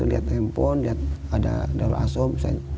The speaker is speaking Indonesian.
lihat handphone lihat ada darul asom